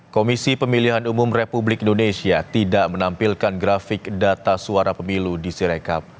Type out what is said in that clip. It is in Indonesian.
komisi pemilihan umum republik indonesia tidak menampilkan grafik data suara pemilu di sirekap